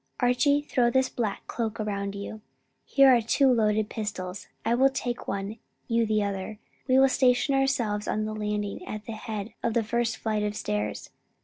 Archie, throw this black cloak round you. Here are two loaded pistols. I will take one, you the other; we will station ourselves on the landing at the head of the first flight of stairs.